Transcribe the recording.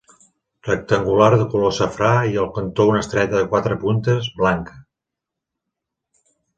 Rectangular de color safrà i al cantó una estrella de quatre puntes, blanca.